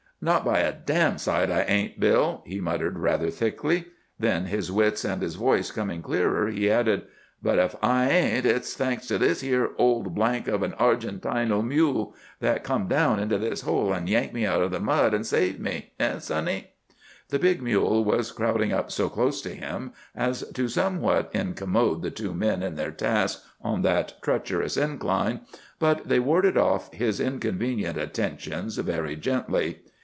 "Not by a d——d sight I ain't, Bill!" he muttered rather thickly. Then, his wits and his voice coming clearer, he added: "But if I ain't, it's thanks to this here old —— of an Argentino mule, that come down into this hole and yanked me out o' the mud, and saved me. Eh, Sonny?" The big mule was crowding up so close to him as to somewhat incommode the two men in their task on that treacherous incline. But they warded off his inconvenient attentions very gently.